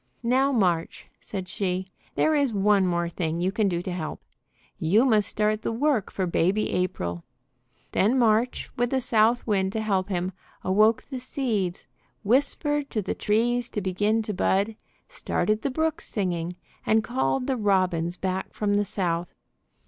"Now March," said she, "there is one more thing you can do to help. You must start the work for Baby April." Then March, with the South Wind to help him, awoke the seeds, whispered to the trees to begin to bud, started the brooks singing, and called the robins back from the South.